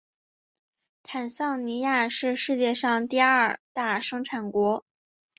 坦桑尼亚是世界上第二大生产国。